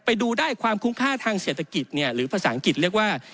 ไปดูได้ความคุ้มค่าทางเศรษฐกิจเนี่ยหรือภาษาอังกฤษเรียกว่า